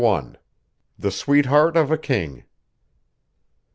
THE SWEETHEART OF A KING.